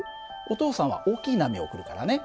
お父さんは大きい波を送るからね。